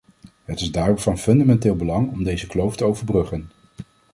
Het is daarom van fundamenteel belang om deze kloof te overbruggen.